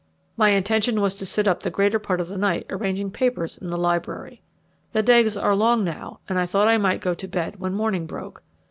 My intention was to sit up the greater part of the night arranging papers in the library. The days are long now, and I thought I might go to bed when morning broke.